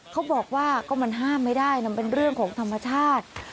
เขาบอกว่าก็มันห้ามไม่ได้นะเป็นเรื่องของธรรมชาติ